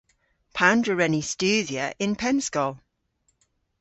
Pandr'a wren ni studhya y'n pennskol?